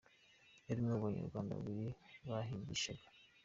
Yari umwe mu Banyarwanda babiri bahigishaga.